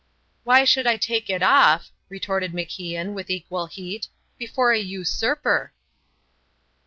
"Why should I take it off," retorted MacIan, with equal heat, "before a usurper?"